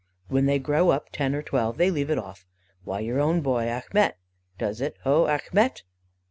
When they grow up to ten or twelve they leave it off. Why, your own boy, Achmet, does it. Ho, Achmet!